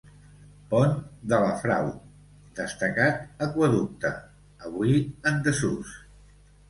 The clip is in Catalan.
Pont de la Frau, destacat aqüeducte, avui en desús.